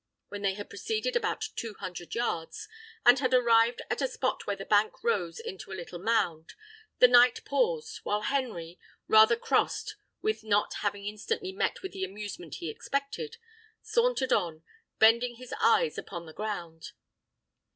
When they had proceeded about two hundred yards, and had arrived at a spot where the bank rose into a little mound, the knight paused, while Henry, rather crossed with not having instantly met with the amusement he expected, sauntered on, bending his eyes upon the ground.